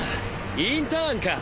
インターンか！